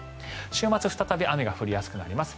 週末、再び雨が降りやすくなります。